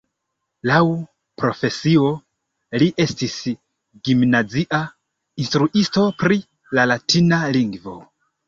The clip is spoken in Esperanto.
Laŭ profesio, li estis gimnazia instruisto pri la latina lingvo.